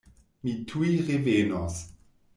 Mi tuj revenos.